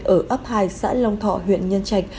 ở ấp hai xã long thọ huyện nhân trạch